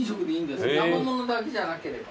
生ものだけじゃなければ。